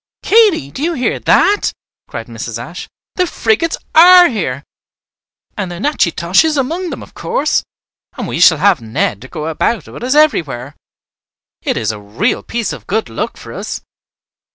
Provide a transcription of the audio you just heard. "Katy, do you hear that?" cried Mrs. Ashe. "The frigates are here, and the 'Natchitoches' among them of course; and we shall have Ned to go about with us everywhere. It is a real piece of good luck for us.